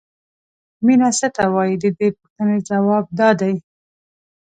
مینه څه ته وایي د دې پوښتنې ځواب دا دی.